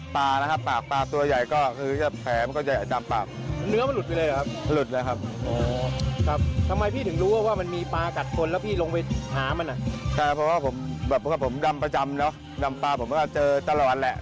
เพราะว่าผมดำประจำนะดำปลาผมก็เจอตลาดแหละ